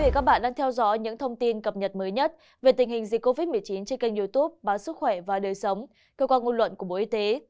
các bạn đang theo dõi những thông tin cập nhật mới nhất về tình hình dịch covid một mươi chín trên kênh youtube báo sức khỏe và đời sống cơ quan ngôn luận của bộ y tế